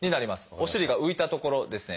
お尻が浮いたところですね。